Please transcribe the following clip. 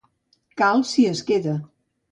Cal si en queda.